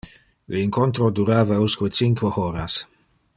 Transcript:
Le incontro durava usque cinque horas.